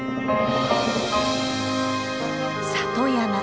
里山。